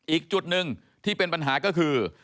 อีกจุดหนึ่งที่เป็นปัญหาก็คือ